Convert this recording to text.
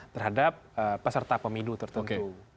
terhadap peserta pemilu tertentu